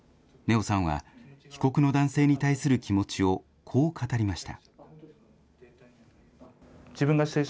生さんは被告の男性に対する気持ちをこう語りました。